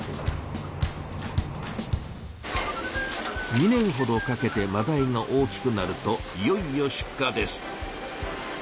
２年ほどかけてマダイが大きくなるといよいよ出荷です。